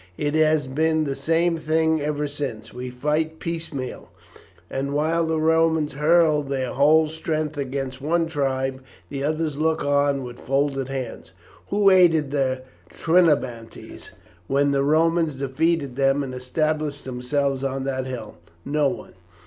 It has been the same thing ever since. We fight piecemeal; and while the Romans hurl their whole strength against one tribe the others look on with folded hands. Who aided the Trinobantes when the Romans defeated them and established themselves on that hill? No one.